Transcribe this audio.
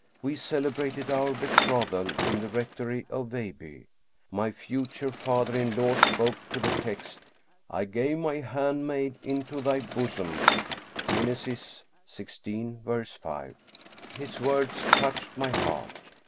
We cele brated our betrothal in the Rectory of Veilbye. My future father in law spoke to the text, " I gave my handmaid into thy bosom " (Genesis xvi, 5). His words touched my heart.